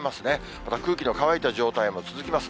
また空気の乾いた状態も続きます。